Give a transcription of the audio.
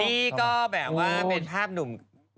นี่ก็แบบว่าเป็นภาพหนุ่ม